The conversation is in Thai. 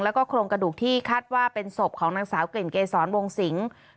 แล้วก็โครงกระดูกที่คาดว่าเป็นศพของนางสาวกลิ่นเกษรวงสิงศ์